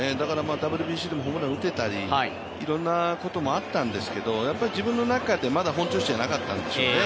ＷＢＣでもホームラン打てたり、いろんなこともあったんですけど、自分の中でまだ本調子じゃなかったんでしょうね。